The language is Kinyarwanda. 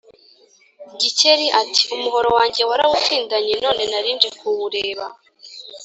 Gikeli ati Umuhoro wanjye warawutindanye, none nali nje kuwureba